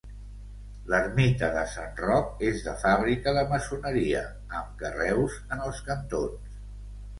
L'Ermita de Sant Roc, és de fàbrica de maçoneria, amb carreus en els cantons.